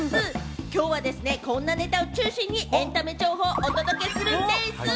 今日はですね、こんなネタを中心にエンタメ情報をお届けするんでぃす！